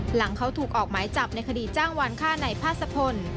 หลังเขาถูกออกหมายจับในคดีจ้างวานฆ่าในพาสะพล